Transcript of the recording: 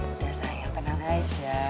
udah sayang tenang aja